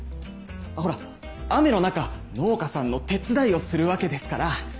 ほら雨の中農家さんの手伝いをするわけですから。